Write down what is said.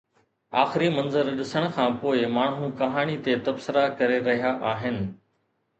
آخري منظر ڏسڻ کان پوءِ ماڻهو ڪهاڻي تي تبصرا ڪري رهيا آهن.